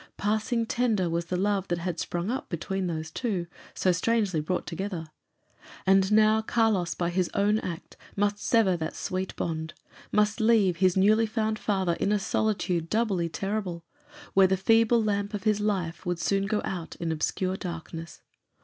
Passing tender was the love that had sprung up between those two, so strangely brought together. And now Carlos, by his own act, must sever that sweet bond must leave his newly found father in a solitude doubly terrible, where the feeble lamp of his life would soon go out in obscure darkness.